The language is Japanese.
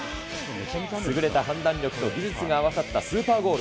優れた判断力と技術が合わさったスーパーゴール。